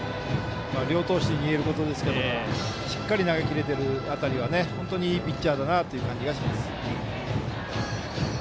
両投手にいえることですがしっかり投げ切れている辺りは本当にいいピッチャーだなという感じがします。